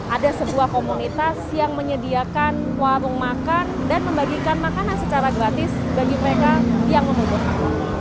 ada sebuah komunitas yang menyediakan warung makan dan membagikan makanan secara gratis bagi mereka yang membutuhkan